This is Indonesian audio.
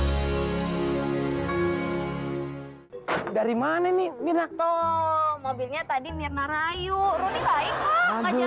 hai dari mana ini mirna toh mobilnya tadi mirna rayu rune baik kok ngajak